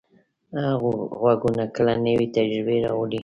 غږونه کله نوې تجربې راوړي.